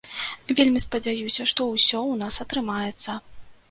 Вельмі спадзяюся, што ўсё ў нас атрымаецца.